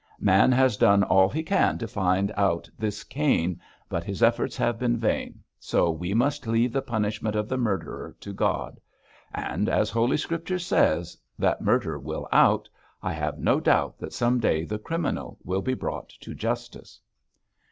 Man has done all he can to find out this Cain, but his efforts have been vain, so we must leave the punishment of the murderer to God; and as Holy Scripture says that "murder will out," I have no doubt that some day the criminal will be brought to justice.'